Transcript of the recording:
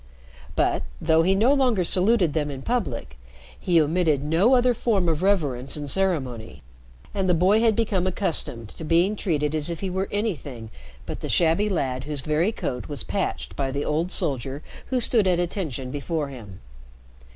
But, though he no longer saluted them in public, he omitted no other form of reverence and ceremony, and the boy had become accustomed to being treated as if he were anything but the shabby lad whose very coat was patched by the old soldier who stood "at attention" before him.